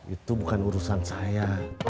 itu bukan urusan saya